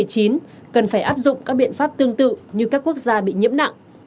cần phải áp dụng các biện pháp tương tự như các quốc gia bị nhiễm nặng